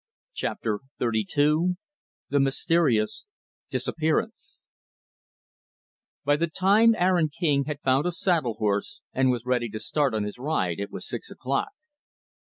Chapter XXXII The Mysterious Disappearance By the time Aaron King had found a saddle horse and was ready to start on his ride, it was six o'clock.